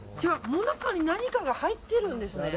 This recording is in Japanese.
もなかに何かが入ってるんですね。